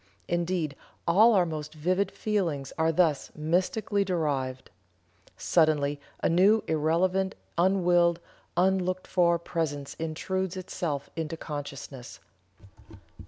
Indeed all our most vivid feelings are thus mystically derived. Suddenly a new irrelevant, unwilled, unlooked for presence intrudes itself into consciousness.